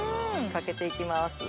かけて行きます。